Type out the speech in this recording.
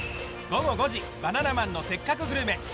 午後５時「バナナマンのせっかくグルメ！！」